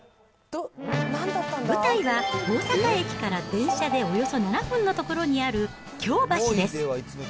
舞台は、大阪駅から電車でおよそ７分の所にある、京橋です。